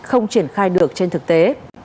không triển khai được trên thực tế